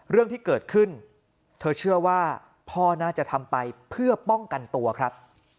เรื่องที่เกิดขึ้นเธอเชื่อว่าพ่อน่าจะทำไปเพื่อป้องกันตัวครับ